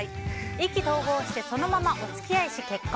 意気投合してそのままお付き合いし、結婚。